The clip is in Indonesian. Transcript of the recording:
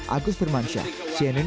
agus birmansyah cnn indonesia